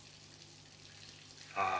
ああ。